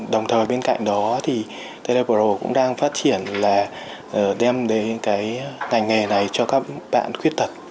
đồng thời bên cạnh đó thì telepro cũng đang phát triển là đem đến cái ngành nghề này cho các bạn khuyết tật